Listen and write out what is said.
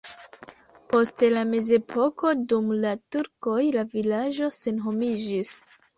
Post la mezepoko dum la turkoj la vilaĝo senhomiĝis.